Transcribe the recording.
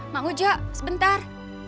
mak ujo sebentar